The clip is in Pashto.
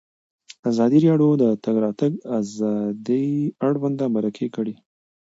ازادي راډیو د د تګ راتګ ازادي اړوند مرکې کړي.